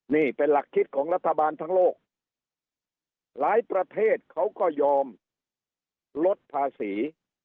นี่เป็นหลักคิดของรัฐบาลทั้งโลกหลายประเทศเขาก็ยอมลดภาษี